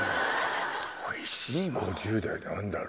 おいしいもん。